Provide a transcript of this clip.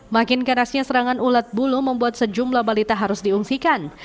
makin kerasnya serangan ulat bulu membuat sejumlah balita harus diungsikan